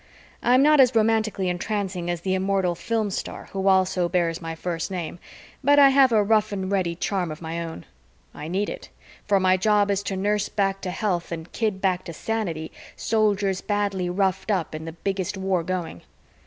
I am not as romantically entrancing as the immortal film star who also bears my first name, but I have a rough and ready charm of my own. I need it, for my job is to nurse back to health and kid back to sanity Soldiers badly roughed up in the biggest war going.